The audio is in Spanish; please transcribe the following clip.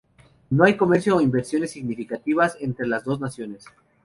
No hay comercio o inversiones significativas entre las dos naciones.